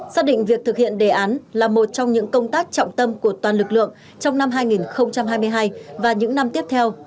xác định việc thực hiện đề án là một trong những công tác trọng tâm của toàn lực lượng trong năm hai nghìn hai mươi hai và những năm tiếp theo